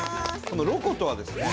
「ロコ」とはですね